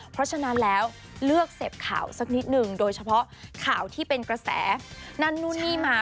เพราะฉะนั้นแล้วเลือกเสพข่าวสักนิดนึงโดยเฉพาะข่าวที่เป็นกระแสนั่นนู่นนี่มา